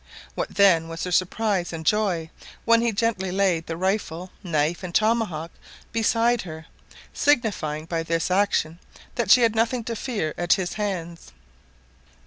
What then was her surprise and joy when he gently laid the rifle, knife, and tomahawk beside her, signifying by this action that she had nothing to fear at his hands*.